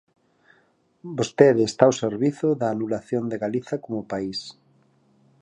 "Vostede está ao servizo da anulación de Galiza como país".